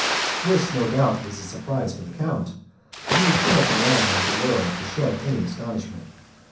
This, no doubt, was a surprise for the count, but he was too much a man of the world to, shew any astonishment.